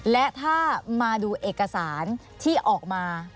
และถ้ามาดูเอกสารที่ออกมา